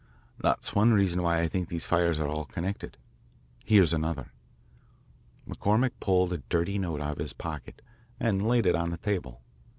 That's one reason why I think these fires are all connected. Here's another." McCormick pulled a dirty note out of his pocket and laid it on the table.